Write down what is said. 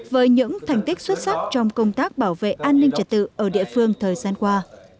với những thành tích xuất sắc trong công tác bảo vệ an ninh trật tự ở địa phương thời gian qua